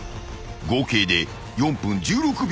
［合計で４分１６秒